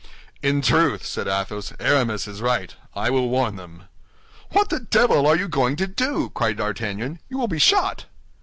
"In truth," said Athos, "Aramis is right. I will warn them." "What the devil are you going to do?" cried D'Artagnan, "you will be shot."